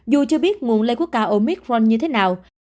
dù chưa biết nguồn lây quốc ca omicron như thế nào